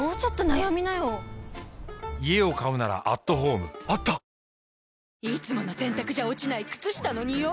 「メリット」いつもの洗たくじゃ落ちない靴下のニオイ